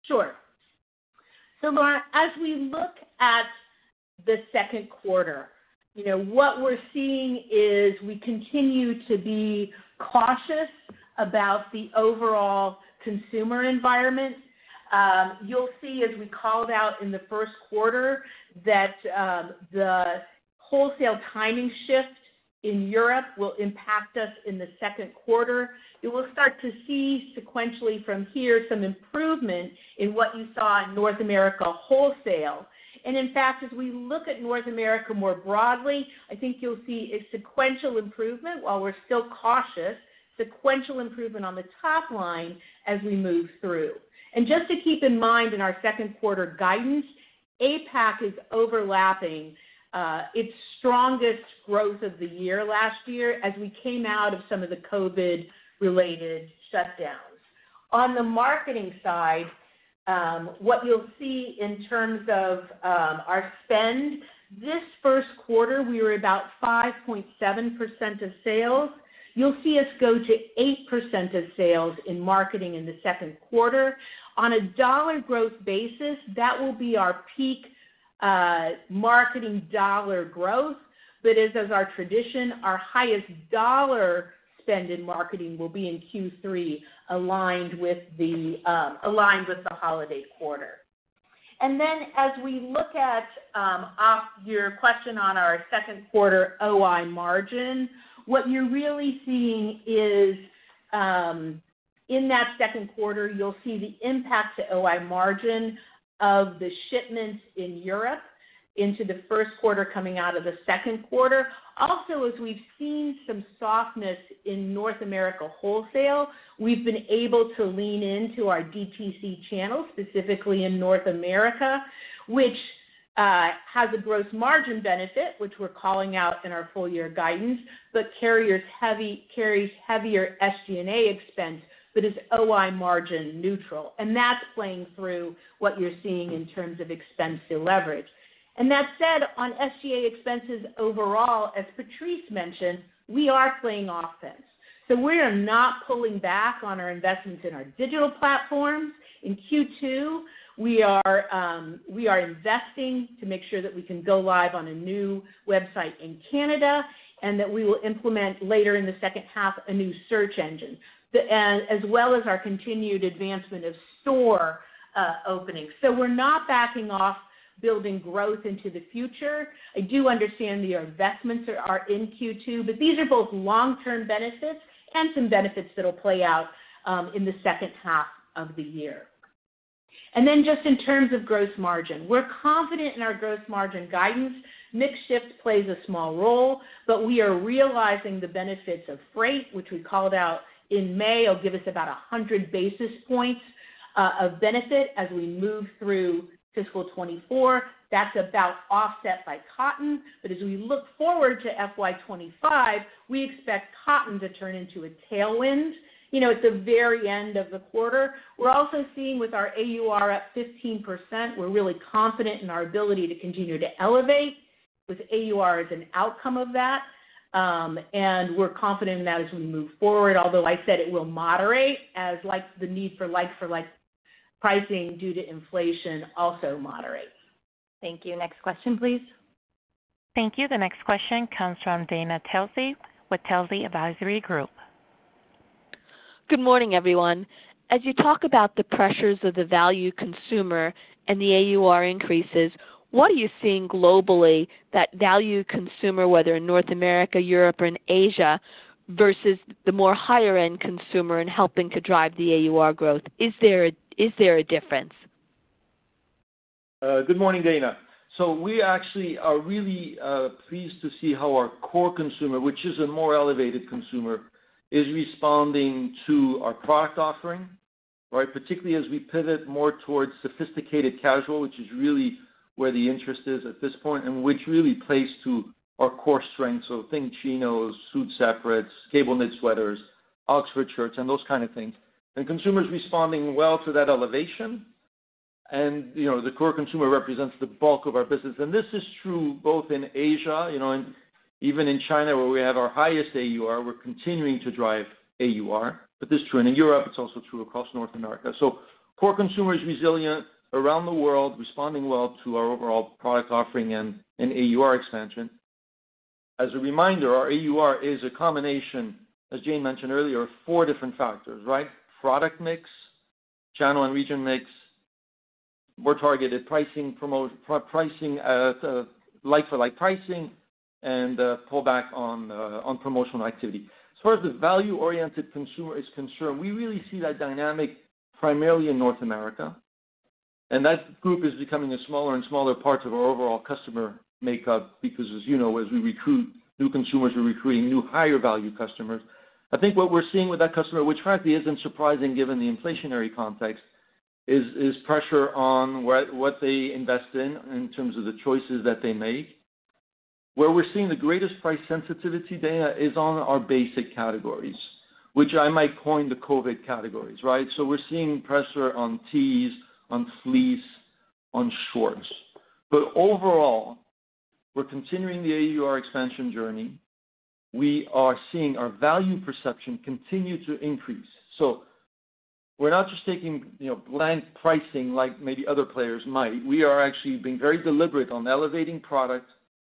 Sure. Laurent, as we look at the Q2, you know, what we're seeing is we continue to be cautious about the overall consumer environment. You'll see, as we called out in the Q1, that the wholesale timing shift in Europe will impact us in the Q2. You will start to see sequentially from here, some improvement in what you saw in North America wholesale. In fact, as we look at North America more broadly, I think you'll see a sequential improvement, while we're still cautious, sequential improvement on the top line as we move through. Just to keep in mind, in our Q2 guidance, APAC is overlapping its strongest growth of the year last year, as we came out of some of the COVID-related shutdowns. On the marketing side, what you'll see in terms of our spend, this Q1, we were about 5.7% of sales. You'll see us go to 8% of sales in marketing in the Q2. On a dollar growth basis, that will be our peak marketing dollar growth. As is our tradition, our highest dollar spend in marketing will be in Q3, aligned with the holiday quarter. As we look at off your question on our Q2 OI margin, what you're really seeing is in that Q2, you'll see the impact to OI margin of the shipments in Europe into the Q1 coming out of the Q2. As we've seen some softness in North America wholesale, we've been able to lean into our DTC channel, specifically in North America, which has a gross margin benefit, which we're calling out in our full year guidance, but carries heavier SG&A expense, but is OI margin neutral. That's playing through what you're seeing in terms of expense leverage. That said, on SG&A expenses overall, as Patrice mentioned, we are playing offense. We are not pulling back on our investments in our digital platforms. In Q2, we are investing to make sure that we can go live on a new website in Canada, and that we will implement later in the second half, a new search engine, as well as our continued advancement of store openings. We're not backing off building growth into the future. I do understand the investments are, are in Q2, but these are both long-term benefits and some benefits that'll play out in the second half of the year. Then just in terms of gross margin, we're confident in our gross margin guidance. Mix shift plays a small role, but we are realizing the benefits of freight, which we called out in May, will give us about 100 basis points of benefit as we move through fiscal 2024. That's about offset by cotton. As we look forward to FY 2025, we expect cotton to turn into a tailwind. You know, at the very end of the quarter, we're also seeing with our AUR up 15%, we're really confident in our ability to continue to elevate with AUR as an outcome of that. We're confident in that as we move forward, although I said it will moderate as like, the need for like-for-like pricing due to inflation also moderates. Thank you. Next question, please. Thank you. The next question comes from Dana Telsey with Telsey Advisory Group. Good morning, everyone. As you talk about the pressures of the value consumer and the AUR increases, what are you seeing globally that value consumer, whether in North America, Europe, or in Asia, versus the more higher-end consumer in helping to drive the AUR growth? Is there a, is there a difference? Good morning, Dana. We actually are really pleased to see how our core consumer, which is a more elevated consumer, is responding to our product offering, right? Particularly as we pivot more towards sophisticated casual, which is really where the interest is at this point, which really plays to our core strengths. Think Chinos, suit separates, cable knit sweaters, Oxford shirts, and those kind of things. Consumers responding well to that elevation. You know, the core consumer represents the bulk of our business. This is true both in Asia, you know, and even in China, where we have our highest AUR, we're continuing to drive AUR. This is true in Europe, it's also true across North America. Core consumer is resilient around the world, responding well to our overall product offering and AUR expansion. As a reminder, our AUR is a combination, as Jane mentioned earlier, four different factors, right? Product mix, channel and region mix, more targeted pricing, like-for-like pricing and pull back on promotional activity. As far as the value-oriented consumer is concerned, we really see that dynamic primarily in North America, and that group is becoming a smaller and smaller part of our overall customer makeup, because, as you know, as we recruit new consumers, we're recruiting new higher-value customers. I think what we're seeing with that customer, which frankly, isn't surprising given the inflationary context, is, is pressure on what, what they invest in, in terms of the choices that they make. Where we're seeing the greatest price sensitivity, Dana, is on our basic categories, which I might coin the COVID categories, right? We're seeing pressure on tees, on fleece, on shorts. Overall, we're continuing the AUR expansion journey. We are seeing our value perception continue to increase. We're not just taking, you know, blank pricing like maybe other players might. We are actually being very deliberate on elevating product,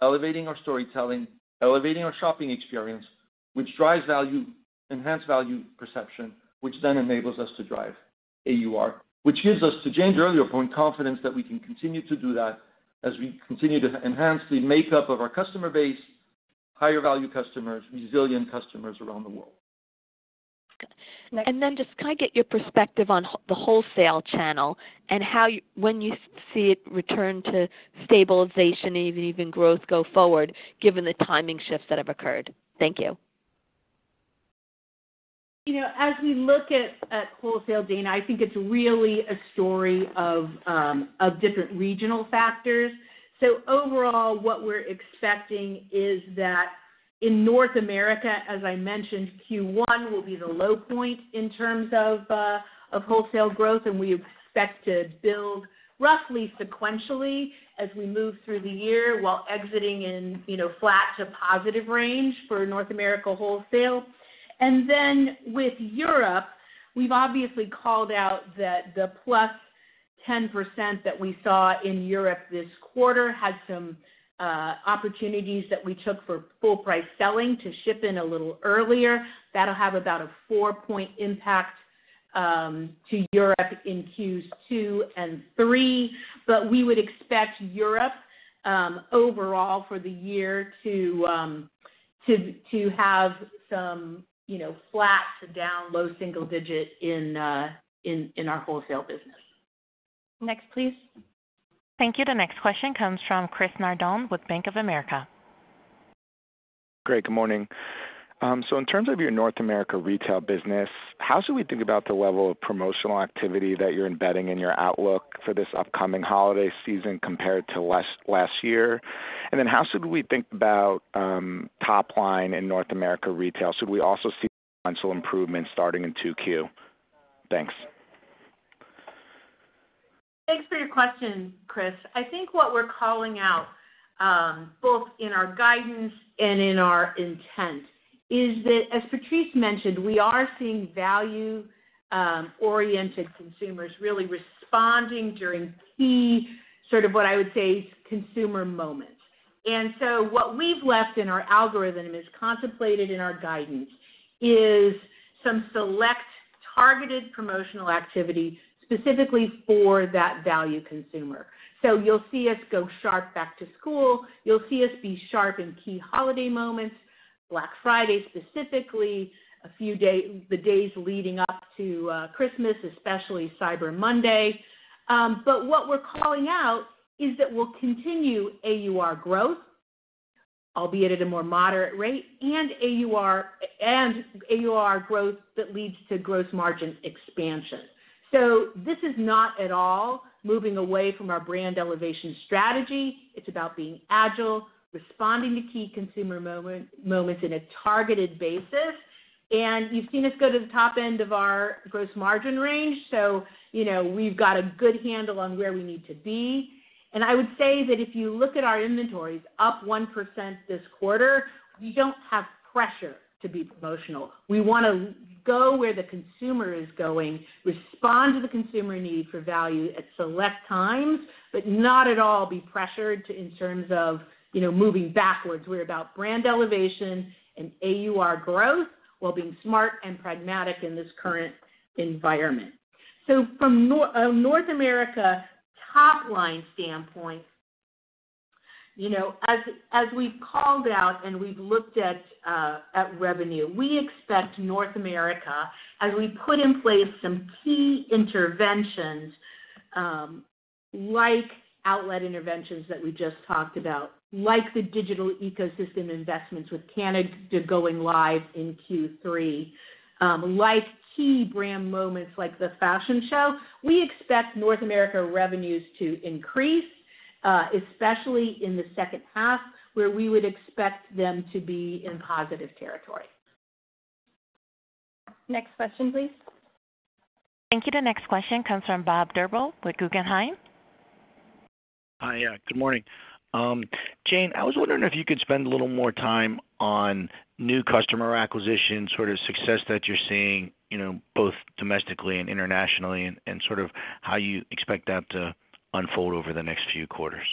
elevating our storytelling, elevating our shopping experience, which drives value, enhanced value perception, which then enables us to drive AUR, which gets us to Jane's earlier point, confidence that we can continue to do that as we continue to enhance the makeup of our customer base, higher-value customers, resilient customers around the world. Just can I get your perspective on the wholesale channel and how, when you see it return to stabilization and even growth go forward, given the timing shifts that have occurred? Thank you. You know, as we look at, at wholesale, Dana, I think it's really a story of different regional factors. Overall, what we're expecting is that in North America, as I mentioned, Q1 will be the low point in terms of wholesale growth, and we expect to build roughly sequentially as we move through the year, while exiting in, you know, flat to positive range for North America wholesale. With Europe, we've obviously called out that the +10% that we saw in Europe this quarter had some opportunities that we took for full price selling to ship in a little earlier. That'll have about a 4-point impact to Europe in Q2 and 3. We would expect Europe, overall for the year to have some, you know, flat to down low single digit in our wholesale business. Next, please. Thank you. The next question comes from Christopher Nardone with Bank of America. Great, good morning. In terms of your North America retail business, how should we think about the level of promotional activity that you're embedding in your outlook for this upcoming holiday season compared to last, last year? Then how should we think about top line in North America retail? Should we also see potential improvements starting in Q2? Thanks. Thanks for your question, Chris. I think what we're calling out, both in our guidance and in our intent, is that, as Patrice mentioned, we are seeing value, oriented consumers really responding during key, sort of what I would say, consumer moments. What we've left in our algorithm is contemplated in our guidance, is some targeted promotional activity specifically for that value consumer. You'll see us go sharp back to school. You'll see us be sharp in key holiday moments, Black Friday, specifically, a few the days leading up to Christmas, especially Cyber Monday. What we're calling out is that we'll continue AUR growth, albeit at a more moderate rate, and AUR, and AUR growth that leads to gross margin expansion. This is not at all moving away from our brand elevation strategy. It's about being agile, responding to key consumer moment, moments in a targeted basis. You've seen us go to the top end of our gross margin range, so, you know, we've got a good handle on where we need to be. I would say that if you look at our inventories, up 1% this quarter, we don't have pressure to be promotional. We want to go where the consumer is going, respond to the consumer need for value at select times, but not at all be pressured to, in terms of, you know, moving backwards. We're about brand elevation and AUR growth, while being smart and pragmatic in this current environment. From North America top line standpoint, you know, as, as we've called out and we've looked at revenue, we expect North America, as we put in place some key interventions, like outlet interventions that we just talked about, like the digital ecosystem investments with Canada going live in Q3, like key brand moments like the fashion show, we expect North America revenues to increase, especially in the second half, where we would expect them to be in positive territory. Next question, please. Thank you. The next question comes from Bob Drbul with Guggenheim. Hi, yeah, good morning. Jane, I was wondering if you could spend a little more time on new customer acquisition, sort of success that you're seeing, you know, both domestically and internationally, and sort of how you expect that to unfold over the next few quarters?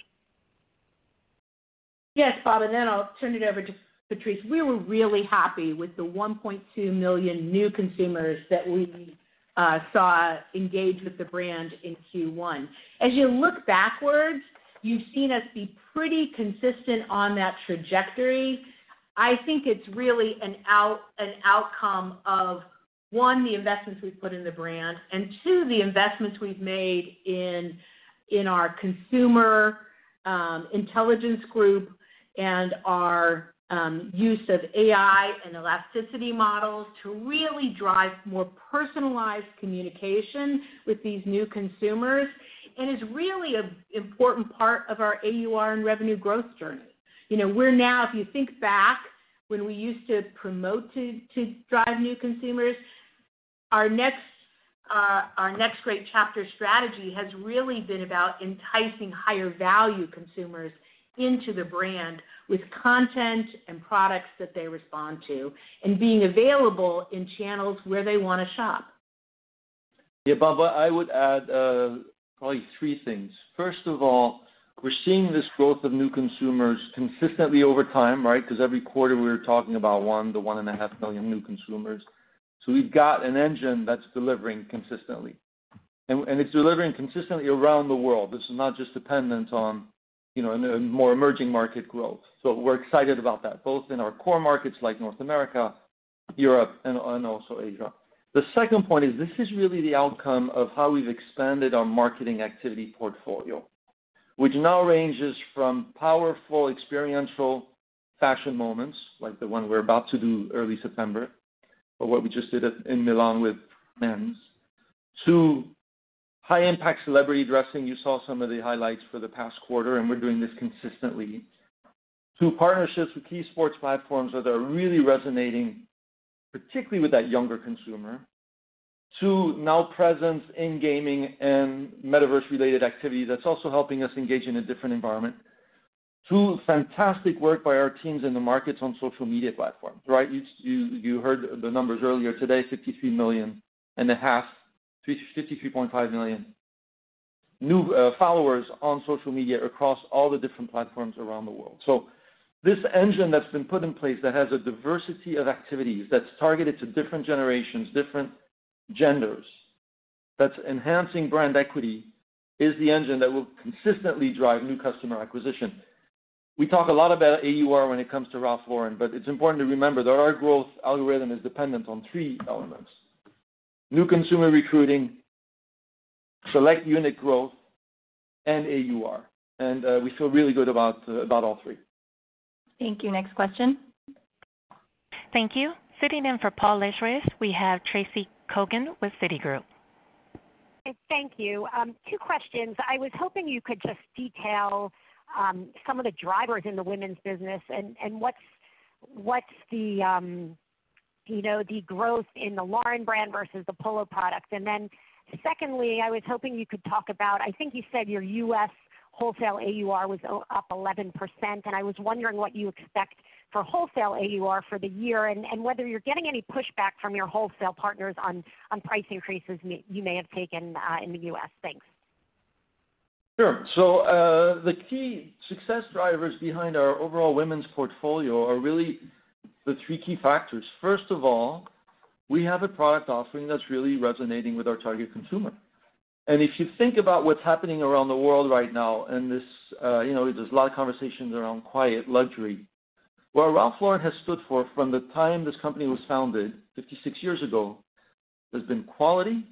Yes, Bob, I'll turn it over to Patrice. We were really happy with the $1.2 million new consumers that we saw engage with the brand in Q1. As you look backwards, you've seen us be pretty consistent on that trajectory. I think it's really an outcome of, one, the investments we've put in the brand, and two, the investments we've made in our consumer intelligence group and our use of AI and elasticity models to really drive more personalized communication with these new consumers. It's really an important part of our AUR and revenue growth journey. You know, we're now, if you think back when we used to promote to, to drive new consumers, our next, our Next Great Chapter strategy has really been about enticing higher value consumers into the brand with content and products that they respond to, and being available in channels where they want to shop. Yeah, Bob, I would add, probably 3 things. First of all, we're seeing this growth of new consumers consistently over time, right? Because every quarter, we're talking about 1 million-1.5 million new consumers. We've got an engine that's delivering consistently. It's delivering consistently around the world. This is not just dependent on, you know, in a more emerging market growth. We're excited about that, both in our core markets like North America, Europe, and also Asia. The second point is this is really the outcome of how we've expanded our marketing activity portfolio, which now ranges from powerful, experiential fashion moments, like the one we're about to do early September, or what we just did at, in Milan with men's. To high-impact celebrity dressing, you saw some of the highlights for the past quarter, and we're doing this consistently. To partnerships with key sports platforms that are really resonating, particularly with that younger consumer, to now presence in gaming and metaverse-related activity that's also helping us engage in a different environment. To fantastic work by our teams in the markets on social media platforms, right? You heard the numbers earlier today, $63.5 million, $53.5 million new followers on social media across all the different platforms around the world. This engine that's been put in place that has a diversity of activities, that's targeted to different generations, different genders, that's enhancing brand equity, is the engine that will consistently drive new customer acquisition. We talk a lot about AUR when it comes to Ralph Lauren, but it's important to remember that our growth algorithm is dependent on 3 elements: new consumer recruiting, select unit growth, and AUR. We feel really good about about all three. Thank you. Next question? Thank you. Sitting in for Paul Lejuez, we have Tracy Kogan with Citigroup. Thank you. Two questions. I was hoping you could just detail, some of the drivers in the women's business and, and what's, what's the, you know, the growth in the Lauren brand versus the Polo product. Secondly, I was hoping you could talk about, I think you said your U.S. wholesale AUR was up 11%, and I was wondering what you expect for wholesale AUR for the year, and, and whether you're getting any pushback from your wholesale partners on, on price increases you may have taken in the U.S. Thanks. Sure. The key success drivers behind our overall women's portfolio are really the three key factors. First of all, we have a product offering that's really resonating with our target consumer. If you think about what's happening around the world right now, and this, you know, there's a lot of conversations around quiet luxury. What Ralph Lauren has stood for from the time this company was founded 56 years ago, has been quality,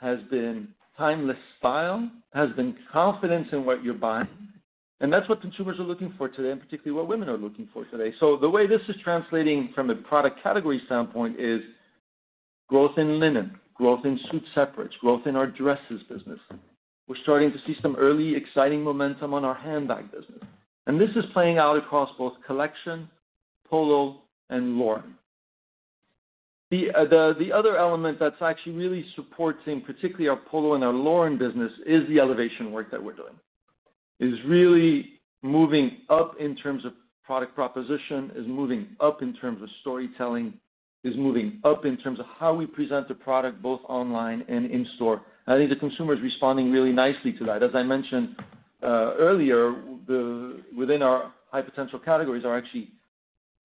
has been timeless style, has been confidence in what you're buying, and that's what consumers are looking for today, and particularly what women are looking for today. The way this is translating from a product category standpoint is growth in linen, growth in suit separates, growth in our dresses business. We're starting to see some early exciting momentum on our handbag business. This is playing out across both Collection, Polo, and Lauren. The other element that's actually really supporting, particularly our Polo and our Lauren business, is the elevation work that we're doing. It is really moving up in terms of product proposition, is moving up in terms of storytelling, is moving up in terms of how we present the product, both online and in store. I think the consumer is responding really nicely to that. As I mentioned earlier, within our high potential categories,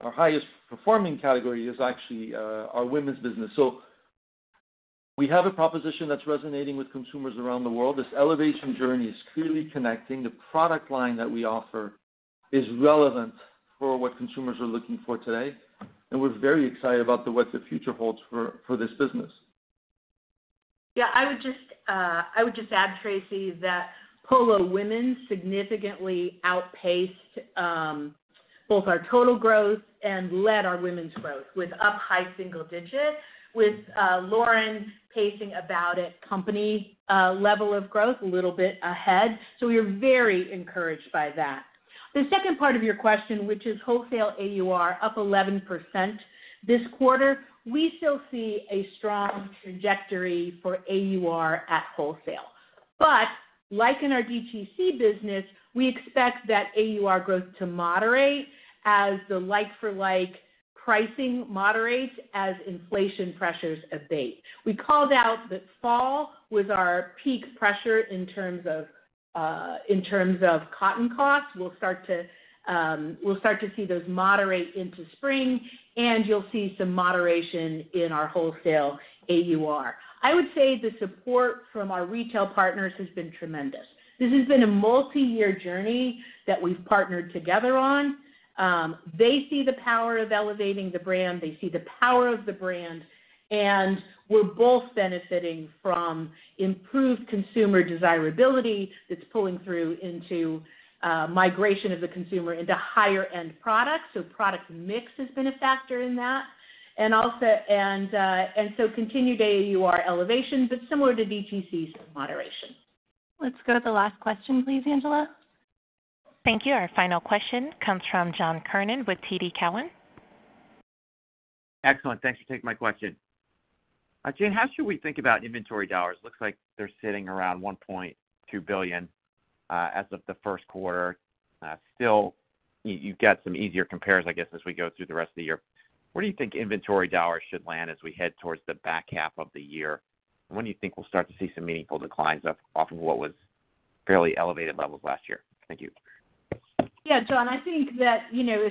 Our highest performing category is actually our women's business. We have a proposition that's resonating with consumers around the world. This elevation journey is clearly connecting. The product line that we offer is relevant for what consumers are looking for today, and we're very excited about what the future holds for this business. Yeah, I would just add, Tracy, that Polo women significantly outpaced both our total growth and led our women's growth, with up high single digits, with Lauren pacing about at company level of growth, a little bit ahead. We are very encouraged by that. The second part of your question, which is wholesale AUR, up 11% this quarter. We still see a strong trajectory for AUR at wholesale. Like in our DTC business, we expect that AUR growth to moderate as the like-for-like pricing moderates as inflation pressures abate. We called out that fall was our peak pressure in terms of in terms of cotton costs. We'll start to, we'll start to see those moderate into spring, and you'll see some moderation in our wholesale AUR. I would say the support from our retail partners has been tremendous. This has been a multi-year journey that we've partnered together on. They see the power of elevating the brand, they see the power of the brand, we're both benefiting from improved consumer desirability that's pulling through into migration of the consumer into higher end products. Product mix has been a factor in that. Continued AUR elevation, but similar to DTC's moderation. Let's go to the last question, please, Angela. Thank you. Our final question comes from John Kernan with TD Cowen. Excellent. Thanks for taking my question. Jane, how should we think about inventory dollars? Looks like they're sitting around $1.2 billion as of the Q1. Still, you, you've got some easier compares, I guess, as we go through the rest of the year. Where do you think inventory dollars should land as we head towards the back half of the year? When do you think we'll start to see some meaningful declines of off of what was fairly elevated levels last year? Thank you. Yeah, John, I think that, you know,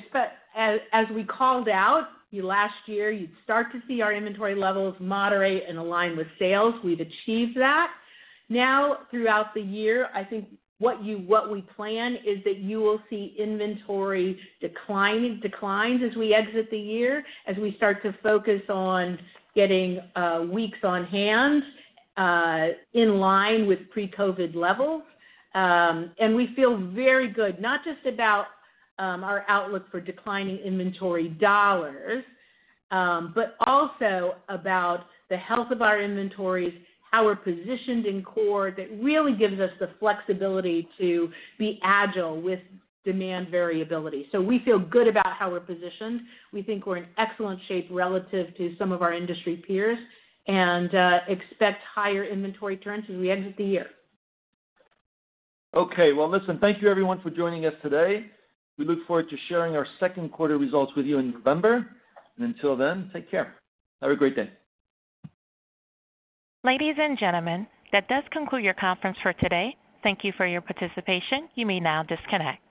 as we called out, last year, you'd start to see our inventory levels moderate and align with sales. We've achieved that. Now, throughout the year, I think what we plan is that you will see inventory declining, declines as we exit the year, as we start to focus on getting weeks on hand in line with pre-COVID levels. We feel very good, not just about our outlook for declining inventory dollars, but also about the health of our inventories, how we're positioned in core. That really gives us the flexibility to be agile with demand variability. We feel good about how we're positioned. We think we're in excellent shape relative to some of our industry peers, and expect higher inventory trends as we exit the year. Okay. Well, listen, thank you everyone for joining us today. We look forward to sharing our Q2 results with you in November, and until then, take care. Have a great day. Ladies and gentlemen, that does conclude your conference for today. Thank you for your participation. You may now disconnect.